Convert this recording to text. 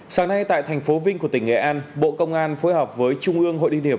sáng nay tại thành phố vinh của tỉnh nghệ an bộ công an phối hợp với trung ương hội đi niệm